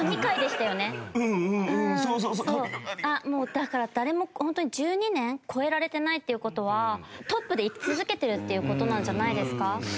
だから誰もホントに１２年超えられてないっていう事はトップで居続けてるっていう事なんじゃないですか？